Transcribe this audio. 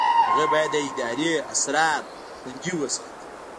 هغه باید د ادارې اسرار خوندي وساتي.